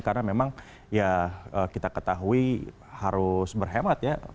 karena memang ya kita ketahui harus berhemat ya